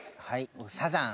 僕サザン。